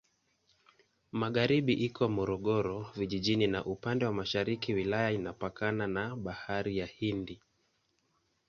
Magharibi iko Morogoro Vijijini na upande wa mashariki wilaya inapakana na Bahari ya Hindi.